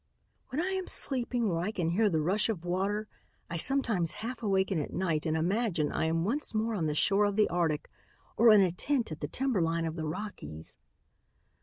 "When I am sleeping where I can hear the rush of water I sometimes half awaken at night and imagine I am once more on the shore of the Arctic or in a tent at the timber line of the Rockies."